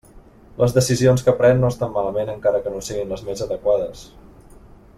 Les decisions que pren no estan malament encara que no siguin les més adequades.